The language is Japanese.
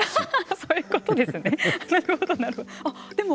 そういうことですね。